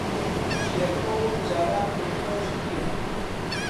شێرکۆ وەک جاران دڵخۆش نییە.